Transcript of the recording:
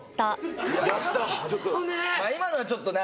まあ今のはちょっとね